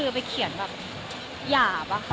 ไปเขียนทีมแบบ